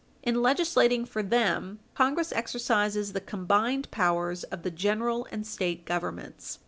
In legislating for them, Congress exercises the combined powers of the General and State Governments."